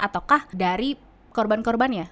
ataukah dari korban korbannya